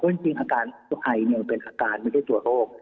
เพราะจริงอาการไอเนี่ยมันเป็นอาการไม่ใช่ตรวจโรค